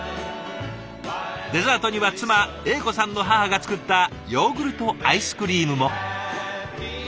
デザートには妻英子さんの母が作ったヨーグルトアイスクリームも。